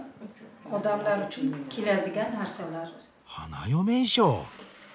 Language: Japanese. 花嫁衣装。